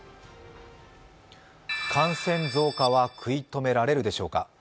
感染増加は食い止められるでしょうか。